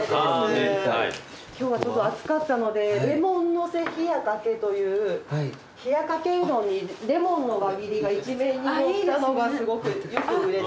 今日は暑かったのでレモンのせ冷やかけという冷やかけうどんにレモンの輪切りが一面に載ったのがすごくよく売れてました。